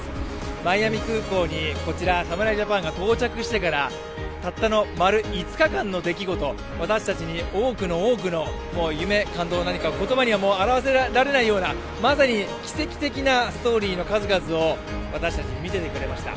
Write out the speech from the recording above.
マイアミ空港にこちら侍ジャパンが到着してからたったの丸５日間のできごと、私たちに多くの多くの感動、言葉には表しきれないようなまさに奇跡的なストーリーの数々を私たちに見せてくれました。